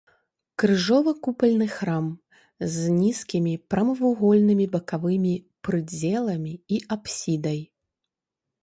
Крыжова-купальны храм з нізкімі прамавугольнымі бакавымі прыдзеламі і апсідай.